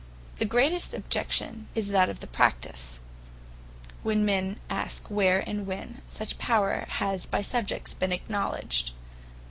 The greatest objection is, that of the Practise; when men ask, where, and when, such Power has by Subjects been acknowledged.